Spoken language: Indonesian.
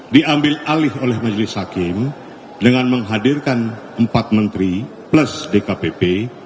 diambil alih oleh majelis hakim dengan menghadirkan empat menteri plus dkpp